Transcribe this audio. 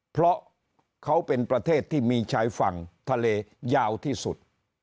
เพราะเขาเป็นประเทศที่มีชายฝั่งทะเลยาวที่สุด